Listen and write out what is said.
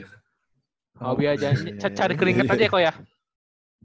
hobi aja sih cari keringet aja kok ya